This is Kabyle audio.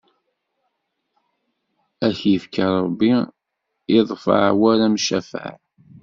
Ad k-ifk Ṛebbi i ddfeɛ war amcafaɛ!